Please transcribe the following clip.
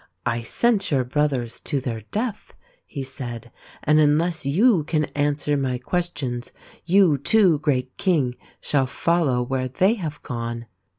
" I sent your brothers to their death," he said, " and unless you can answer my questions, you too, great King, shall follow where they have gone."